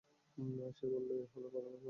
সে বলল, এ হল প্রথম লব্ধ সম্পদ।